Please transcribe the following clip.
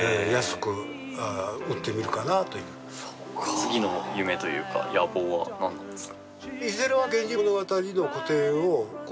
次の夢というか野望は何なんですか？